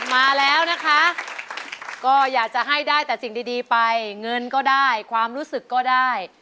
มาแล้วนะคะก็อยากจะให้ได้แต่สิ่งดีไปเงินก็ได้ความรู้สึกก็ได้